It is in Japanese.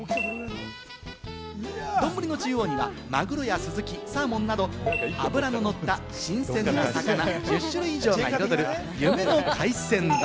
丼の中央にはマグロやスズキ、サーモンなど、脂ののった新鮮な魚１０種類以上が彩る夢の海鮮丼。